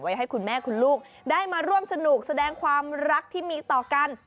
ให้คุณแม่คุณลูกได้มาร่วมสนุกแสดงความรักที่มีต่อกัน